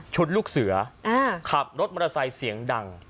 ลูกเสือขับรถมอเตอร์ไซค์เสียงดัง